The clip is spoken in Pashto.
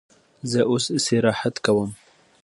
زه اوس استراحت کوم.